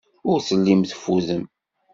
Ur tellim teffudem.